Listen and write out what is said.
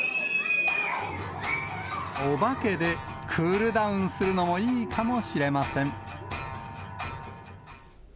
お化けでクールダウンするのもいいかもしれません。